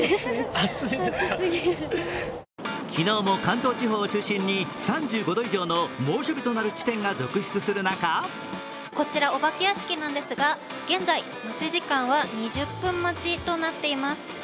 昨日も関東地方を中心に３５度以上の猛暑日となる地点が続出する中こちらお化け屋敷なんですが、現在待ち時間２０分待ちとなっています。